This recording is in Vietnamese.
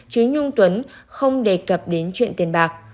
chứ nhung tuấn không đề cập đến chuyện tiền bạc